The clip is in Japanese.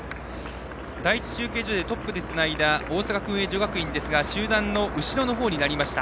第１中継所でトップでつないだ大阪薫英女学院ですが集団の後ろのほうになりました。